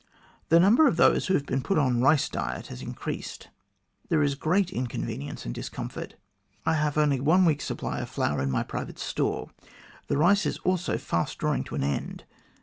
The number of those who have been put on rice diet has increased. There is great in convenience and discomfort. I have only one week's supply of flour in my private store. The rice also is fast drawing to an end.